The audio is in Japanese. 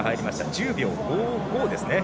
１０秒５５ですね。